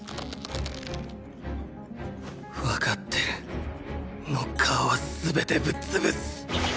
わかってるノッカーは全てぶっ潰す！